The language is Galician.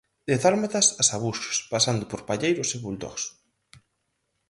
De dálmatas a sabuxos, pasando por palleiros e bulldogs.